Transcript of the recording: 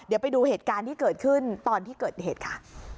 เดี๋ยวไปดูเหตุการณ์ที่เกิดขึ้นตอนที่เกิดเหตุค่ะ